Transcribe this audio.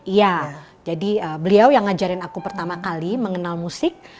iya jadi beliau yang ngajarin aku pertama kali mengenal musik